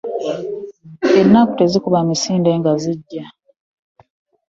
Ennaku tezikuba misinde nga ziggya .